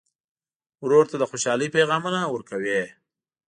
ورور ته د خوشحالۍ پیغامونه ورکوې.